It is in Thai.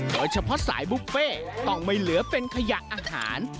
สายบุฟเฟ่ต้องไม่เหลือเป็นขยะอาหาร